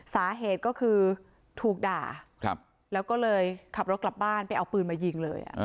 สาเหตุก็คือถูกด่าแล้วก็เลยขับรถกลับบ้านไปเอาปืนมายิงเลย